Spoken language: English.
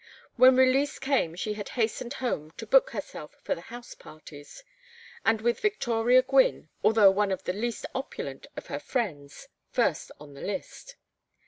When release came she had hastened home to book herself for the house parties, and with Victoria Gwynne, although one of the least opulent of her friends, first on the list.